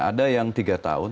ada yang tiga tahun